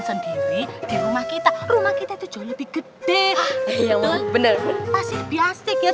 sendiri di rumah kita rumah kita itu lebih gede bener bener pasti biasa